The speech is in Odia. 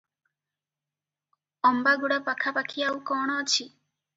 ଅମ୍ବାଗୁଡା ପାଖାପାଖି ଆଉ କଣ ଅଛି?